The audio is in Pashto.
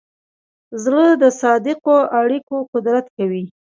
زړه د صادقو اړیکو قدر کوي.